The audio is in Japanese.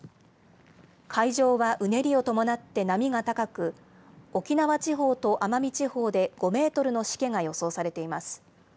海上はうねりを伴って波が高く、沖縄地方と奄美地方で５メートルのしけが予想されています。